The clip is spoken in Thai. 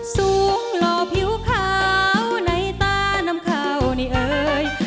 สูงหล่อผิวขาวในตาน้ำขาวนี่เอ่ย